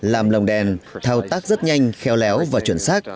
làm lồng đèn thao tác rất nhanh khéo léo và chuẩn xác